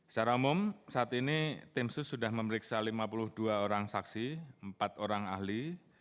secara umum saat ini tim sus sudah memeriksa lima puluh dua orang saksi empat orang ahli